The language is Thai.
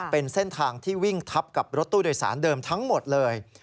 เป็นเส้นทางที่วิ่งทับกับรถตู้โดยสารเดิมทั้งหมดเลย